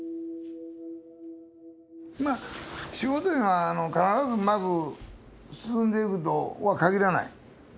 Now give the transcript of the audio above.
まあ仕事いうのは必ずうまく進んでいくとは限らない。